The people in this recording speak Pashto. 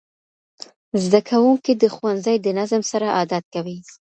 زدهکوونکي د ښوونځي د نظم سره عادت کوي.